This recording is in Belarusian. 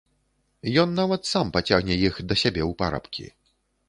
Ён нават сам пацягне іх да сябе ў парабкі.